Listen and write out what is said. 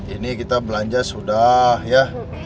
ini kita belanja sudah ya